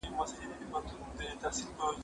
زه مخکي چپنه پاک کړې وه.